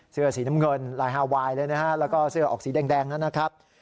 เสื้อสีน้ำเงินลายฮาไวน์เลยนะฮะแล้วก็เสื้อออกสีแดงนะครับ